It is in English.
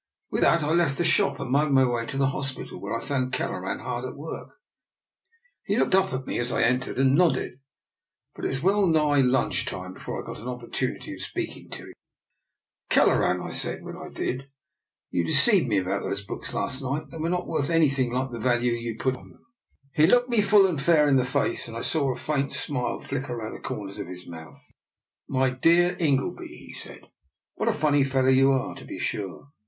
With that I left the shop and made my way to the hospital, where I found Kelleran hard at work. He looked up at me as I en tered, and nodded, but it was well nigh lunch time before I got an opportunity of speaking to him. " Kelleran," I said when I did, " you de ceived me about those books last night. They wefe not worth anything like the value you put upon them." He looked me full and fair in the face, and I saw a faint smile flicker round the corners of his mouth. " My dear Ingleby," he said, " what a funny fellow you are, to be sure!